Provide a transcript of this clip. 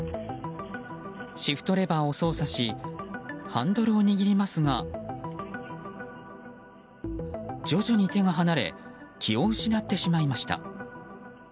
シフトレバーを操作しハンドルを握りますが徐々に手が離れ気を失ってしまいました。